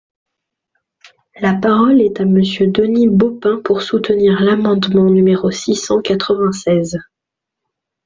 La parole est à Monsieur Denis Baupin, pour soutenir l’amendement numéro six cent quatre-vingt-seize.